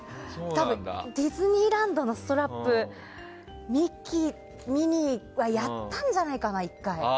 多分、ディズニーランドのストラップミッキー、ミニーはやったんじゃないかな、１回。